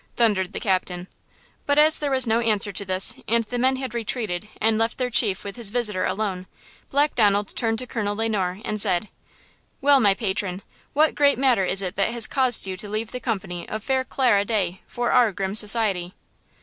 thundered the captain. But as there was no answer to this and the men had retreated and left their chief with his visitor alone, Black Donald turned to Colonel Le Noir and said: "Well, my patron, what great matter is it that has caused you to leave the company of fair Clara Day for our grim society?"